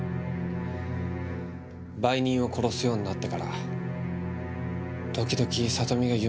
売人を殺すようになってから時々里美が夢に出てくる。